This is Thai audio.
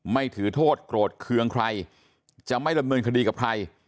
ไม่ถือโทษโกรธเคืองใครจะไม่ดำเนินคดีกับใคร